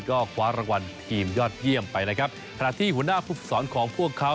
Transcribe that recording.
ก็คว้ารางวัลทีมยอดเยี่ยมไปนะครับขณะที่หัวหน้าภูมิสอนของพวกเขา